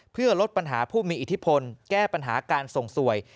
เพื่อลดปัญหาผู้มีอิทธิพลแก้ปัญหาการส่งสวย